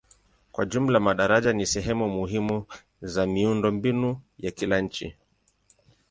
Kwa jumla madaraja ni sehemu muhimu za miundombinu ya kila nchi.